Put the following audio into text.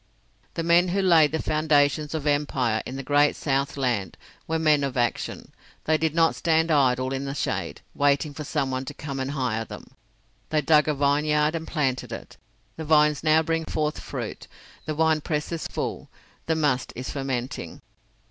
The men who laid the foundations of empire in the Great South Land were men of action. They did not stand idle in the shade, waiting for someone to come and hire them. They dug a vineyard and planted it. The vines now bring forth fruit, the winepress is full, the must is fermenting.